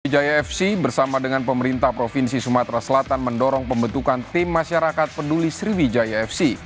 jaya fc bersama dengan pemerintah provinsi sumatera selatan mendorong pembentukan tim masyarakat peduli sriwijaya fc